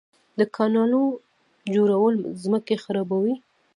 د کانالونو جوړول ځمکې خړوبوي.